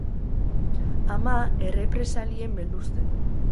Ama errepresalien beldur zen.